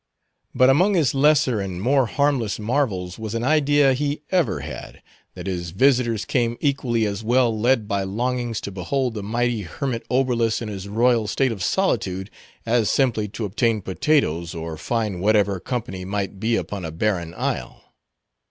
But among his lesser and more harmless marvels was an idea he ever had, that his visitors came equally as well led by longings to behold the mighty hermit Oberlus in his royal state of solitude, as simply, to obtain potatoes, or find whatever company might be upon a barren isle.